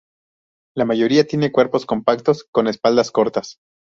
La mayoría tienen cuerpos compactos con espaldas cortas.